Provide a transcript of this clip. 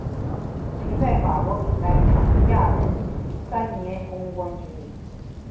曾在法国名牌卡地亚任三年公关经理。